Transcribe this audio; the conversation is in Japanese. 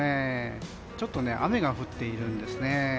ちょっと雨が降っているんですね。